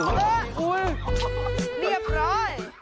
เรียบร้อย